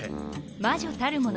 魔女たるもの